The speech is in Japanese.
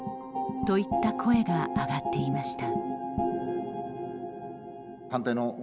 といった声が上がっていました。